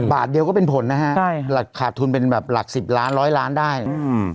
บาทเดียวก็เป็นผลนะฮะใช่หลักขาดทุนเป็นแบบหลักสิบล้านร้อยล้านได้อืม